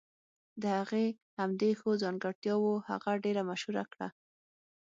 د هغې همدې ښو ځانګرتياوو هغه ډېره مشهوره کړه.